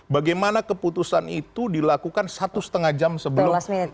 bagaimana keputusan itu dilakukan satu setengah jam sebelum